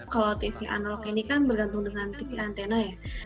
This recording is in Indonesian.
kalau tv analog ini kan bergantung dengan tv antena ya